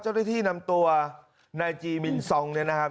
เจ้าหน้าที่นำตัวนายจีมินซองเนี่ยนะครับ